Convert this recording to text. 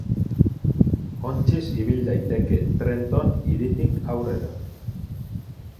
Ontziz ibil daiteke Trenton hiritik aurrera.